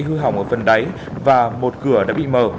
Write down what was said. hư hỏng ở phần đáy và một cửa đã bị mở